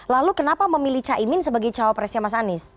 lalu kenapa memilih caimin sebagai cawapresnya mas anies